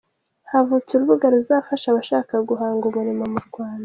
Havutse urubuga ruzafasha abashaka guhanga umurimo mu Rwanda